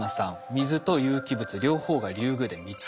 水と有機物両方がリュウグウで見つかった。